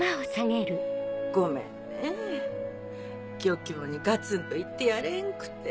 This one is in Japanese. ごめんねぇ漁協にガツンと言ってやれんくて。